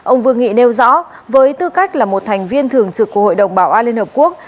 ông vương nghị nêu rõ với tư cách là một thành viên thường trực của hội đồng bảo an liên hợp quốc